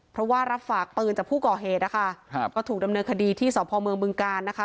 เพราะว่ารับฝากปืนจากผู้ก่อเหตุนะคะครับก็ถูกดำเนินคดีที่สพเมืองบึงการนะคะ